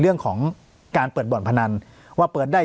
ปากกับภาคภูมิ